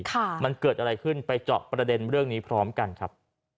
ค่ะมันเกิดอะไรขึ้นไปเจาะประเด็นเรื่องนี้พร้อมกันครับ